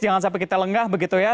jangan sampai kita lengah begitu ya